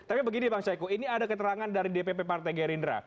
tapi begini bang syaiqo ini ada keterangan dari dpp partai gerindra